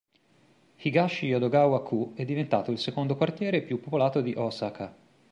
Higashiyodogawa-ku è diventato il secondo quartiere più popolato di Osaka.